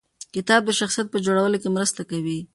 کتاب د شخصیت په جوړولو کې مرسته کوي.